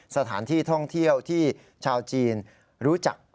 สถานที่ท่องเที่ยวที่ชาวจีนรู้จัก